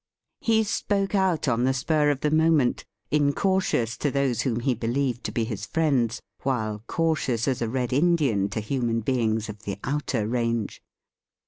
He spoke out on the spur of the moment — incau 'tious to those whom he believed to be his friends, while •cautious as a Red Indian to human beings of the outer range.